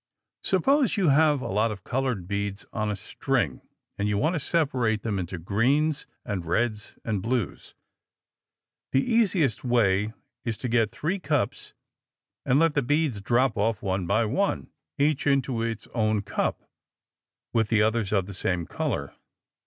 Suppose you have a lot of colored beads on a string and you want to separate them into greens and reds and blues. The easiest way is to get three cups and let the beads drop off one by one, each into its own cup with the others of the same color.